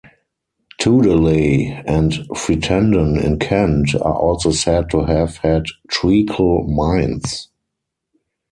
Tudeley and Frittenden in Kent are also said to have had treacle mines.